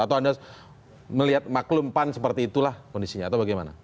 atau anda melihat maklum pan seperti itulah kondisinya atau bagaimana